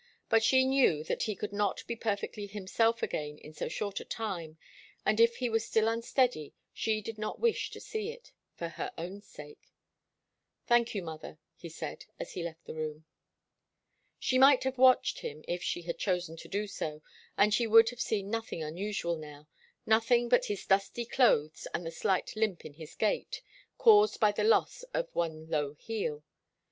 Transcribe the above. But she knew that he could not be perfectly himself again in so short a time, and if he was still unsteady, she did not wish to see it for her own sake. "Thank you, mother," he said, as he left the room. She might have watched him, if she had chosen to do so, and she would have seen nothing unusual now nothing but his dusty clothes and the slight limp in his gait, caused by the loss of one low heel.